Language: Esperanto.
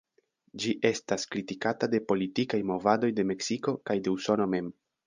Ĝi estas kritikata de politikaj movadoj de Meksiko kaj de Usono mem.